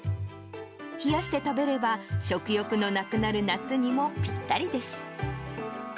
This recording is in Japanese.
冷やして食べれば、食欲のなくなる夏にもぴったりです。